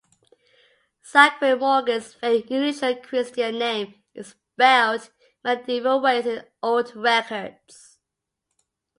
Zackquill Morgan's very unusual Christian name is spelled many different ways in old records.